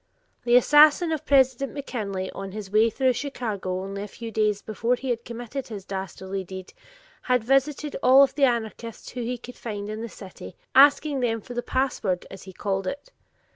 The assassin of President McKinley on his way through Chicago only a few days before he committed his dastardly deed had visited all the anarchists whom he could find in the city, asking them for "the password" as he called it.